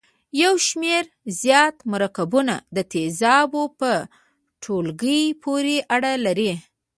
یو شمیر زیات مرکبونه د تیزابو په ټولګي پورې اړه لري.